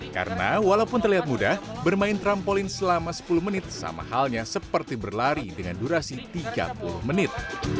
karena walaupun terlihat mudah bermain trampolin selama sepuluh menit sama halnya seperti berlari dengan durasi tiga puluh menit